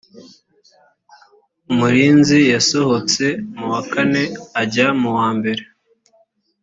umurinzi yasohotse mu wa kane ajya muwa mbere